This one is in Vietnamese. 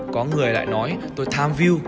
có người lại nói tôi tham view